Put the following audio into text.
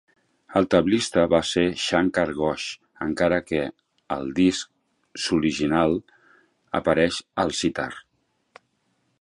El tablista va ser Shankar Ghosh, encara que al disc s"original apareix al sitar.